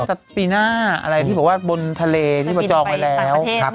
ปีหน้าอะไรที่บอกว่าบนทะเลที่มาจองไว้แล้ว